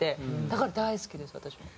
だから大好きです私も。